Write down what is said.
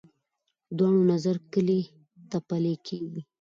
دواړو نظر کلي ته پلی کېږي.